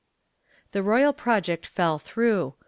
^ The royal project fell through.